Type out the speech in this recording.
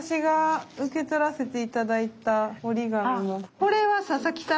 これは佐々木さん